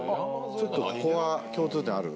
ちょっとここは共通点ある。